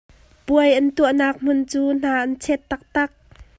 Puai an tuahnak hmun cu hna an chet taktak.